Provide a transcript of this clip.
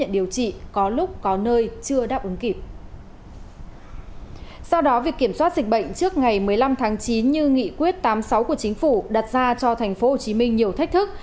đó là việc kiểm soát dịch bệnh trước ngày một mươi năm tháng chín như nghị quyết tám mươi sáu của chính phủ đặt ra cho thành phố hồ chí minh nhiều thách thức